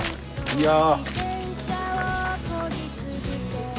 いや。